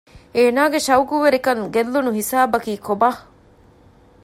އޭނާގެ ޝައުޤުވެރިކަން ގެއްލުނު ހިސާބަކީ ކޮބާ؟